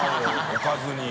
おかずに？